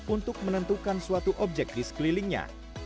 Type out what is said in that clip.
untuk menentukan suatu objek di sekelilingnya